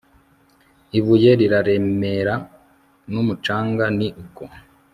ibuye riraremera, n'umucanga ni uko